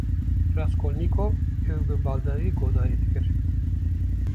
Raskolnîkov ew bi baldarî guhdarî dikir.